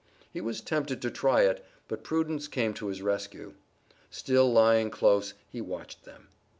He was tempted to try it, but prudence came to his rescue. Still lying close he watched them.